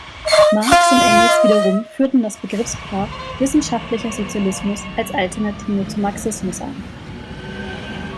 Marx und Engels wiederum führten das Begriffspaar „Wissenschaftlicher Sozialismus“ als Alternative zu „Marxismus“ ein.